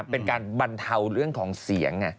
เป็นการบรรเทาเรื่องของเสียง